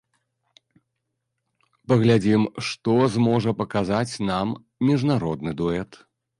Паглядзім, што зможа паказаць нам міжнародны дуэт.